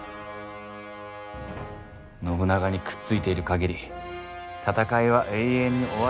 信長にくっついている限り戦いは永遠に終わらん無間地獄じゃ！